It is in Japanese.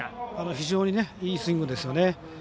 非常にいいスイングですよね。